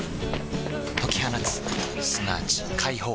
解き放つすなわち解放